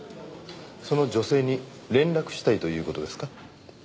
その女性に連絡したいという事ですか？